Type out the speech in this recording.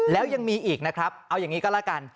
แล้วยังมีอีกนะครับเอาอย่างนี้ก็แล้วกัน